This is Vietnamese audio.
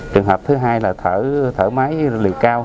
trường hợp thứ hai là thở máy liều cao